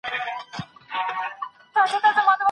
وليمه څو ورځې اوږدول په کار دي؟